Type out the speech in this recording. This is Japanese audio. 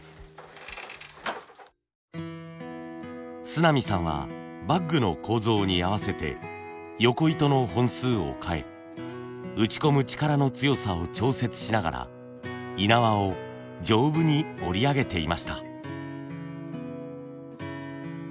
須浪さんはバッグの構造に合わせてよこ糸の本数を変え打ち込む力の強さを調節しながらい縄を丈夫に織り上げていました。